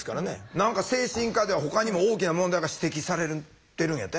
何か精神科ではほかにも大きな問題が指摘されてるんやて？